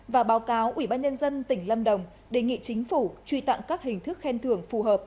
và báo cáo ủy ban nhân dân tỉnh lâm đồng đề nghị chính phủ truy tặng các hình thức khen thường phù hợp